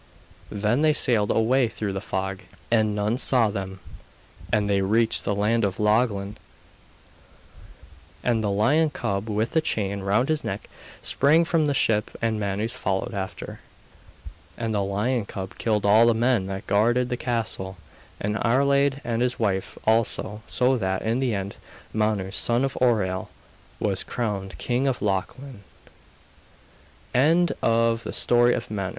Then they sailed away through the fog, and none saw them; and they reached the land of Lochlann, and the lion cub with the chain round his neck sprang from the ship and Manus followed after. And the lion cub killed all the men that guarded the castle, and Iarlaid and his wife also, so that, in the end, Manus son of Oireal was crowned king of Lochlann. [Shortened from West